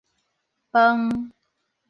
飯